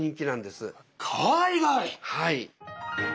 はい。